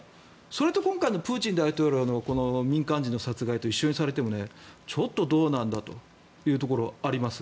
それと今回のプーチン大統領の民間人の殺害と一緒にされてもちょっとどうなんだというところがあります。